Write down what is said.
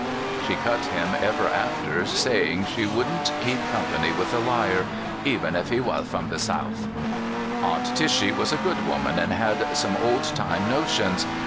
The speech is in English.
She cut him ever after, saying she would n't keep company with a liar, " even if he was from de Souf." Aunt Tishy was a good woman, and had some old time notions.